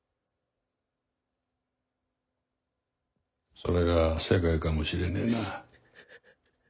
それが世界かもしれねえな。